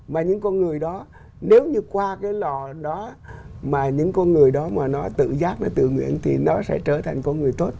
mà những con người đó nếu như qua cái lò đó mà những con người đó mà nó tự giác với tự nguyện thì nó sẽ trở thành con người tốt